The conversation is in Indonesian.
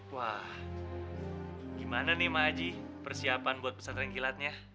wah gimana nih maaji persiapan buat pesan rangkilatnya